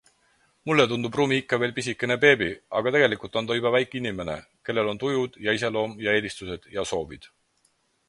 Mulle tundub Rumi ikka veel pisikene beebi, aga tegelikult on ta juba väike inimene, kellel on tujud ja iseloom ja eelistused ja soovid.